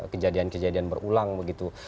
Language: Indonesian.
kejadian kejadian berulang begitu